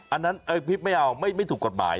อันนั้นเอ้ยปิ๊บไม่เอาไม่ถูกกฎหมาย